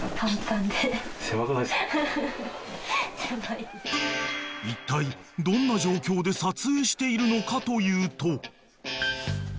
［いったいどんな状況で撮影しているのかというと］